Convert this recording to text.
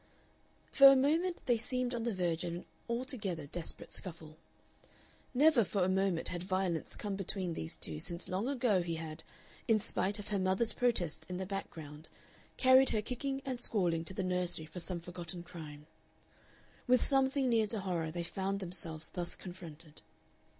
For a moment they seemed on the verge of an altogether desperate scuffle. Never for a moment had violence come between these two since long ago he had, in spite of her mother's protest in the background, carried her kicking and squalling to the nursery for some forgotten crime. With something near to horror they found themselves thus confronted.